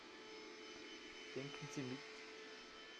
Denken Sie mit.